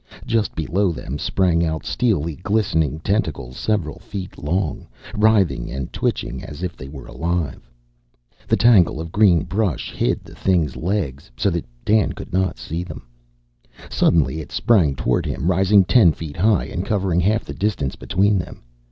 Just below them sprang out steely, glistening tentacles several feet long, writhing and twitching as if they were alive. The tangle of green brush hid the thing's legs, so that Dan could not see them. Suddenly it sprang toward him, rising ten feet high and covering half the distance between them.